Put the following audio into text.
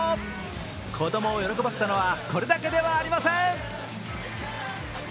子供を喜ばせたのは、これだけではありません。